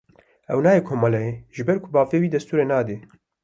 Ew nayê komeleyê ji ber ku bavê wî destûrê nade.